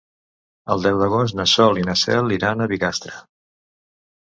El deu d'agost na Sol i na Cel iran a Bigastre.